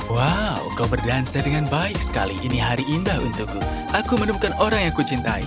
wow kau berdansa dengan baik sekali ini hari indah untukku aku menemukan orang yang ku cintai